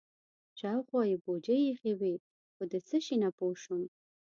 شاوخوا یې بوجۍ ایښې وې خو د څه شي نه پوه شوم.